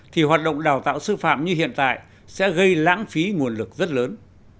thì hoạt động đào tạo sư phạm như hiện tại sẽ gây lãng phí nguồn lực rất lớn